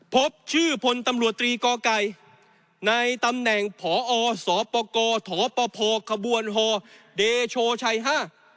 พบชื่อพลตำรวจตรีก่อไก่ในตำแหน่งพอสปกถปพขบวนฮเดโชชัยห้า